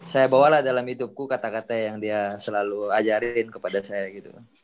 saya bawalah dalam hidupku kata kata yang dia selalu ajarin kepada saya gitu